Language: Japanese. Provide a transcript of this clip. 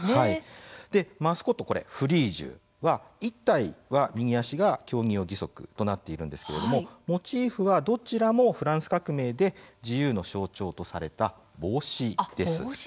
マスコット、フリージュは１体は右足が競技用義足となっていますがモチーフはどちらもフランス革命で自由の象徴とされた帽子です。